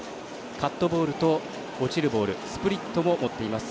カットボールと落ちるボールスプリットも持っています